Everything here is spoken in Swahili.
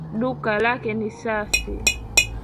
Duka lake ni safi